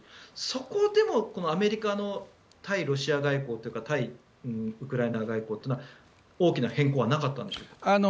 そこでもアメリカの対ロシア外交というか対ウクライナ外交というのは大きな変更はなかったんでしょうか。